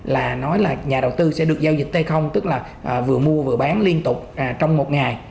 là nói là nhà đầu tư sẽ được giao dịch hay không tức là vừa mua vừa bán liên tục trong một ngày